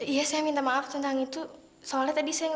ya udah aku tunggu di sini